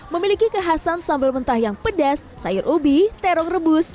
memiliki kekhasan sambal mentah yang pedas sayur ubi terong rebus